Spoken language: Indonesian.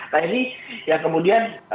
nah ini yang kemudian